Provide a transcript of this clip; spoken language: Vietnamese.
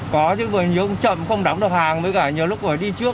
có chứ vừa nhớ chậm không đóng được hàng với cả nhiều lúc phải đi trước